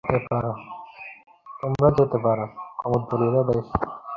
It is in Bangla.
তোমরা যেতে পারো।